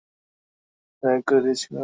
সিনর, ও আমার পরিবারকে গায়েব করে দিয়েছিল।